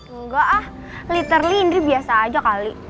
enggak ah literally indri biasa aja kali